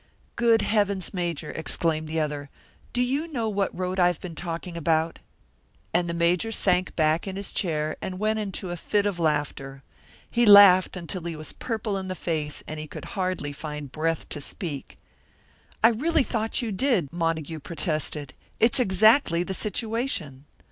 "Good heavens, Major!" exclaimed the other. "Do you know what road I've been talking about?" And the Major sank back in his chair and went into a fit of laughter. He laughed until he was purple in the face, and he could hardly find breath to speak. "I really thought you did!" Montague protested. "It's exactly the situation."